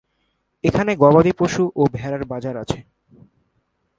এখানে গবাদি পশু ও ভেড়ার বাজার আছে।